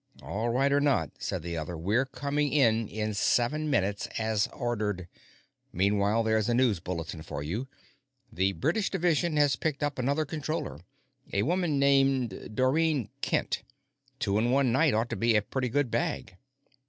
"All right or not," said the other, "we're coming in in seven minutes, as ordered. Meanwhile, there's a news bulletin for you; the British division has picked up another Controller a woman named Dorrine Kent. Two in one night ought to be a pretty good bag."